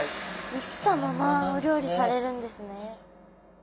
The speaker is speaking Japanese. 生きたままお料理されるんですね。